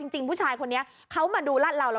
จริงผู้ชายคนนี้เขามาดูร่านลาวแล้วรอบหนึ่ง